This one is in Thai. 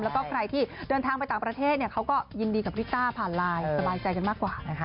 แล้วก็ใครที่เดินทางไปต่างประเทศเขาก็ยินดีกับริต้าผ่านไลน์สบายใจกันมากกว่านะคะ